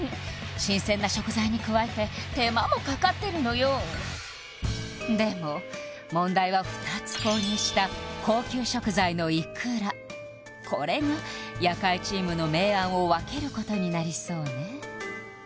新鮮な食材に加えて手間もかかってるのよでも問題は２つ購入した高級食材のいくらこれが夜会チームの明暗を分けることになりそうね